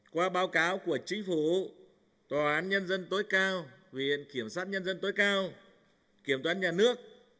qua báo cáo của chính phủ tòa án nhân dân tối cao viện kiểm sát nhân dân tối cao kiểm toán nhà nước